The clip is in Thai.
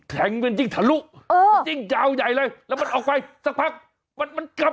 วันนี้ของใต้สวดเขา